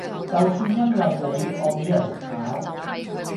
就算因為你我比人炒